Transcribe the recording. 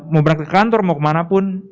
mau berangkat ke kantor mau kemanapun